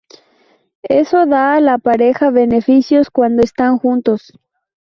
Eso da a la pareja beneficios cuando están juntos.